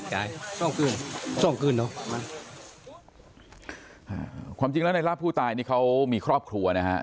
ค่ะความจริงแล้วในลัฟภูตายนี่เขามีครอบครัวเนี้ยฮะ